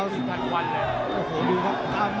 สวยเลยตรงนี้กี่พันวันเลย